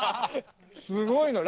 すごいの！